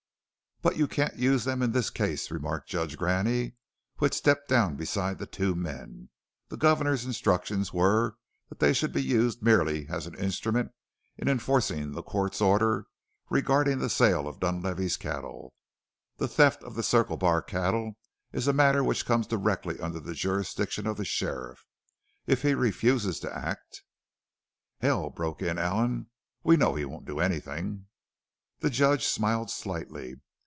"But you can't use them in this case," remarked Judge Graney, who had stepped down beside the two men. "The governor's instructions were that they should be used merely as an instrument in enforcing the court's order regarding the sale of Dunlavey's cattle. The theft of the Circle Bar cattle is a matter which comes directly under the jurisdiction of the sheriff. If he refuses to act " "Hell!" broke in Allen. "We know he won't do anything!" The Judge smiled slightly.